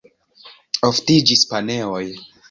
Oftiĝis paneoj.